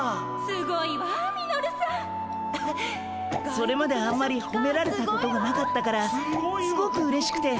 それまであんまりほめられたことがなかったからすごくうれしくて。